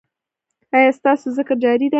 ایا ستاسو ذکر جاری دی؟